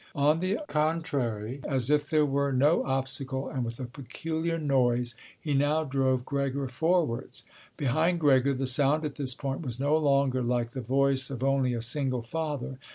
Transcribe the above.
On the contrary, as if there were no obstacle and with a peculiar noise, he now drove Gregor forwards. Behind Gregor the sound at this point was no longer like the voice of only a single father.